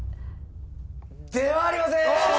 ではありません！